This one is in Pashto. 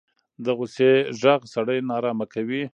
د غوسې غږ سړی نارامه کوي